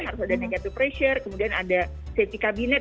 harus ada negative pressure kemudian ada safety cabinet